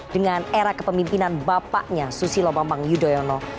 dengan era kepemimpinan bapaknya susilo bambang yudhoyono